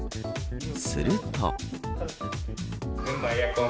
すると。